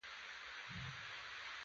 د خدای د پاره که دې یو ځای ولیدل